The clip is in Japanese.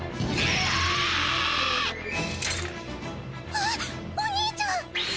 あっお兄ちゃん！